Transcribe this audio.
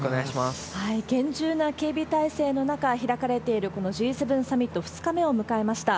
厳重な警備態勢の中、開かれている、このＧ７サミット、２日目を迎えました。